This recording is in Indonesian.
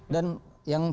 dan yang cipat